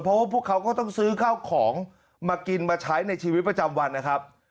เพราะว่าพวกเขาก็ต้องซื้อข้าวของมากินมาใช้ในชีวิตประจำวันนะครับ